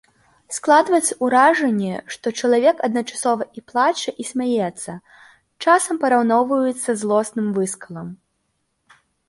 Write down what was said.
Складваецца ўражанне, што чалавек адначасова і плача, і смяецца, часам параўноўваюць са злосным выскалам.